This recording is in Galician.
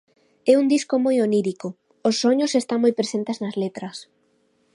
É un disco moi onírico: os soños están moi presentes nas letras.